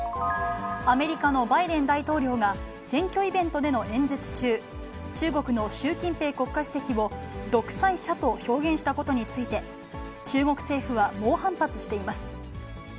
アメリカのバイデン大統領が、選挙イベントでの演説中、中国の習近平国家主席を独裁者と表現したことについて、中国政府は猛反発しています。